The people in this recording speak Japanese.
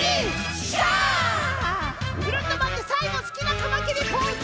ぐるっとまわってさいごすきなカマキリポーズ！